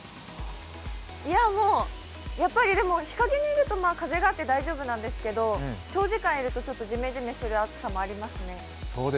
いや、もう、やっぱりでも日陰にいると風があって大丈夫なんですけど長時間いると、ちょっとジメジメする暑さもありますね。